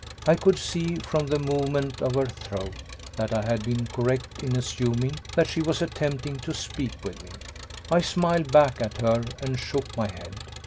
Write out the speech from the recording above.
I could see, from the movement of her throat, that I had been correct in assuming that she was attempting to speak with me. I smiled back at her and shook my head.